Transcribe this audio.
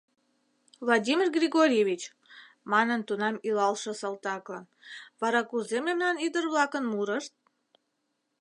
— Владимир Григорьевич, — манын тунам илалше салтаклан, — вара кузе мемнан ӱдыр-влакын мурышт?